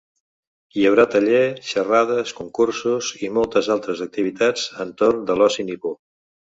Hi haurà tallers, xerrades, concursos i moltes altres activitats entorn de l’oci nipó.